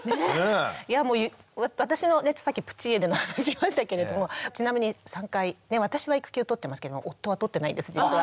いやもう私のさっきプチ家出の話しましたけれどもちなみに３回私は育休を取ってますけれども夫は取ってないです実は。